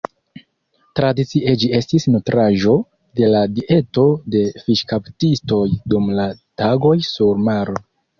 Tradicie ĝi estis nutraĵo de la dieto de fiŝkaptistoj dum la tagoj sur maro.